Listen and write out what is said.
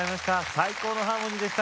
最高のハーモニーでした！